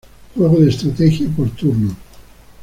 Juego de estrategia por turnos.